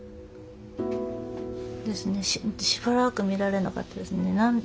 しばらく見られなかったですね。